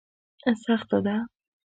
سخته ده.